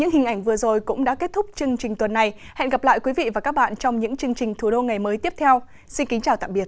hẹn gặp lại các bạn trong những chương trình thủ đô ngày mới tiếp theo xin kính chào tạm biệt